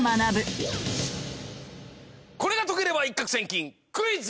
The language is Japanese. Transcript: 『これが解ければ一攫千金クイズ！